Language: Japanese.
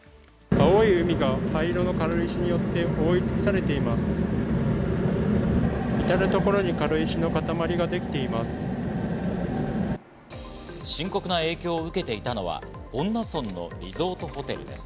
青い海が灰色の軽石によって覆い尽くされています。